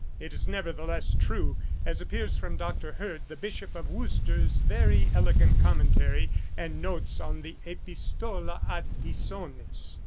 It is nevertheless true, as appears from Dr. Hurd the Bishop of Worcester's very elegant commentary and notes on the 'Epistola ad Pisones.'